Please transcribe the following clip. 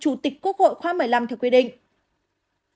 chủ tịch quốc hội khóa một mươi năm theo quy định